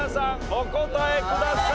お答えください。